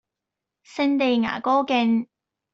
聖地牙哥徑